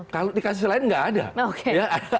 kalau di kasus lain gak ada